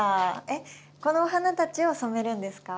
えっこのお花たちを染めるんですか？